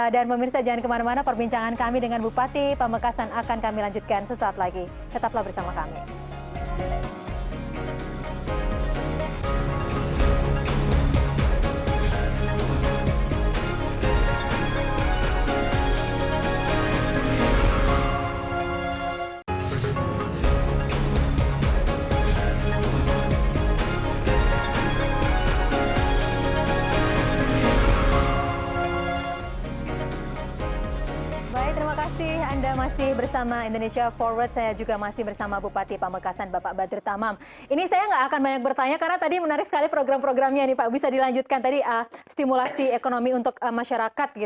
dan pemirsa jangan kemana mana perbincangan kami dengan bupati pamekastan akan kami lanjutkan sesuatu lagi